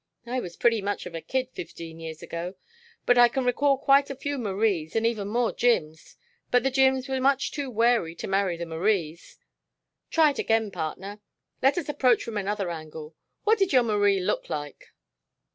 "I was pretty much of a kid fifteen years ago, but I can recall quite a few Maries and even more Jims. But the Jims were much too wary to marry the Maries. Try it again, partner. Let us approach from another angle. What did your Marie look like?"